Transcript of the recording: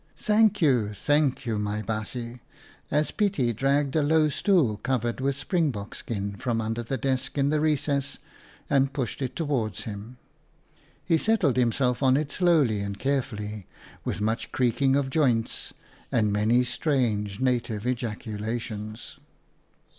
Thank you, thank you, my baasje," as Pietie dragged a low stool, covered with springbok skin, from under the desk in the recess and pushed it towards him. He set tled himself on it slowly and carefully, with much creaking of joints and many strange native ejaculations.